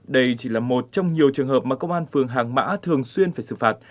đây chỉ là một trong nhiều trường hợp mà công an phường hàng mã thường xuyên phải xử phạt